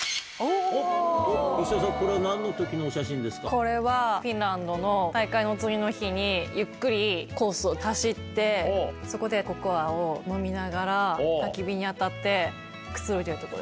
これはフィンランドの大会の次の日にゆっくりコースを走ってそこでココアを飲みながらたき火に当たってくつろいでるとこです。